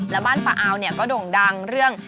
และบ้านปะอาวก็โด่งดังเรื่อง